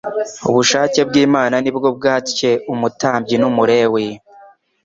Ubushake bw'Imana nibwo bwatcye umutambyi n'Umulewi